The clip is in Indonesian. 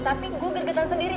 tapi gue gergetan sendiri